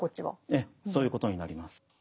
ええそういうことになります。